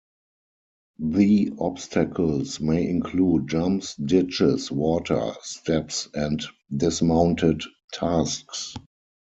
The obstacles may include jumps, ditches, water, steps and dismounted tasks.